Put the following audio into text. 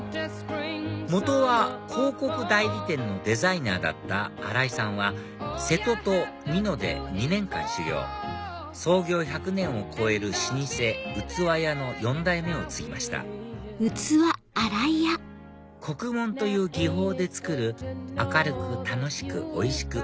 元は広告代理店のデザイナーだった荒井さんは瀬戸と美濃で２年間修業創業１００年を超える老舗うつわ屋の４代目を継ぎました刻紋という技法で作る「明るく、楽しく、美味しく！」